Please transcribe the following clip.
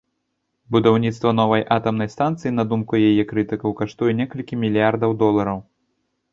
Будаўніцтва новай атамнай станцыі, на думку яе крытыкаў, каштуе некалькі мільярдаў долараў.